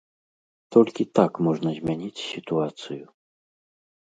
Толькі так можна змяніць сітуацыю.